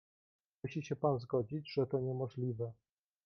"Musi się pan zgodzić, że to niemożliwe."